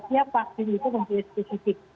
ya vaksin itu mempunyai spesifik